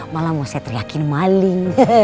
malah mau saya teryakin maling